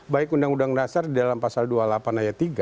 baik undang undang dasar di dalam pasal dua puluh delapan ayat tiga